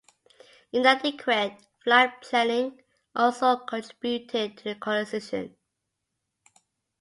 Inadequate flight planning also contributed to the collision.